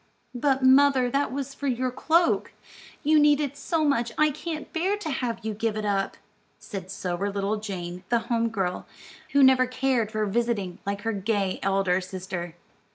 "But mother, that was for your cloak. You need it so much I can't bear to have you give it up," said sober little Jane, the home girl, who never cared for visiting like her gay elder sister.